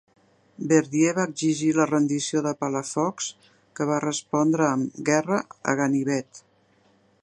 Verdier va exigir la rendició de Palafox, que va respondre amb "Guerra a ganivet".